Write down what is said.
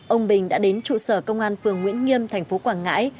ông bình đã đến trụ sở công an phường nguyễn nghiêm tp quảng ngãi